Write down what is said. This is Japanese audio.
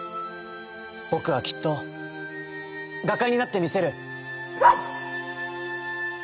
ぼくはきっとがかになってみせる！」。